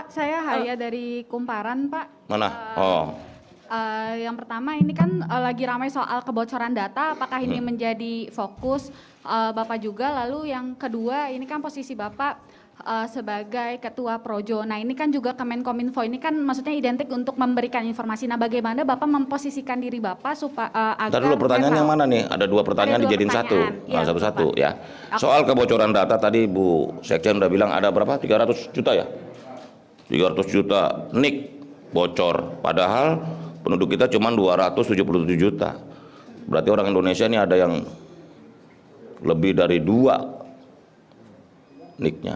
seksi yang sudah bilang ada berapa tiga ratus juta ya tiga ratus juta nik bocor padahal penduduk kita cuma dua ratus tujuh puluh tujuh juta berarti orang indonesia ini ada yang lebih dari dua niknya